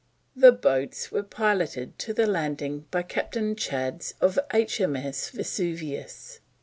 The boats were piloted to the landing by Captain Chads of H.M.S. Vesuvius.